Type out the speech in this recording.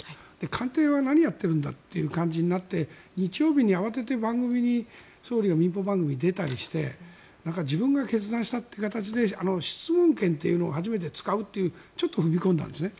官邸は何やっているんだという感じになって日曜日に慌てて総理が民放番組に出たりして自分が決断したという形で質問権というのを初めて使うというちょっと踏み込んだんですね。